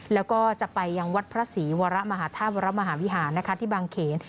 แล้วก็จะไปยังวัดพระศรีวรมหาธาตุวรมหาวิหารที่บางเขน